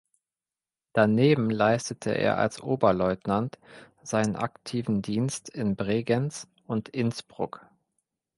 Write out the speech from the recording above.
Daneben leistete er als Oberleutnant seinen aktiven Dienst in Bregenz und Innsbruck.